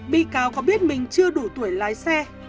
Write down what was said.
bị cáo có biết mình chưa đủ tuổi lái xe